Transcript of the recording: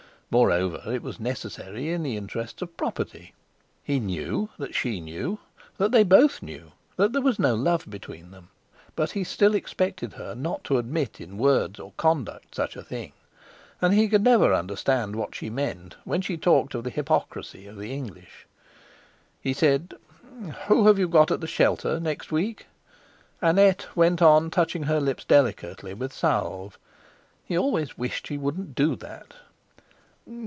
Moreover, it was necessary in the interests of property. He knew that she knew that they both knew there was no love between them, but he still expected her not to admit in words or conduct such a thing, and he could never understand what she meant when she talked of the hypocrisy of the English. He said: "Whom have you got at 'The Shelter' next week?" Annette went on touching her lips delicately with salve—he always wished she wouldn't do that.